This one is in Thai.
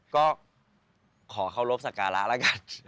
ก็ขอเคารพสักการะแล้วกัน